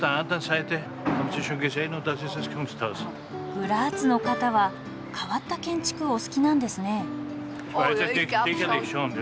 グラーツの方は変わった建築お好きなんですね。